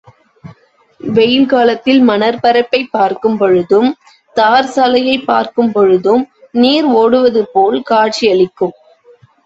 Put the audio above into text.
வெயில் காலத்தில் மணற்பரப்பைப் பார்க்கும் பொழுதும் தார் சாலையைப் பார்க்கும் பொழுதும் நீர் ஒடுவது போல் காட்சியளிக்கும்.